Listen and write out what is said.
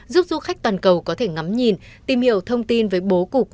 giúp du khách toàn cầu có thể ngắm nhìn tìm hiểu thông tin về bố cục